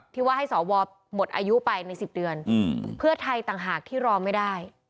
ที่ว่าให้สวหมดอายุไปใน๑๐เดือนเพื่อไทยต่างหากที่รอไม่ได้